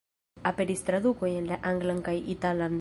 Aperis tradukoj en la anglan kaj italan.